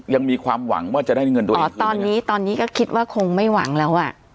ยังมีความหวังว่าจะได้เงินด้วยอ๋อตอนนี้ตอนนี้ก็คิดว่าคงไม่หวังแล้วอ่ะ